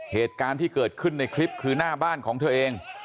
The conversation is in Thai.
เหตุการณ์ที่เกิดขึ้นในคลิปคือหน้าบ้านของเธอเอง